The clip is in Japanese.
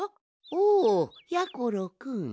おやころくん。